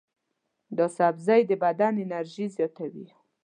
دا سبزی د بدن انرژي زیاتوي.